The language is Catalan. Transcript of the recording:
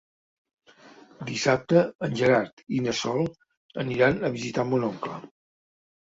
Dissabte en Gerard i na Sol aniran a visitar mon oncle.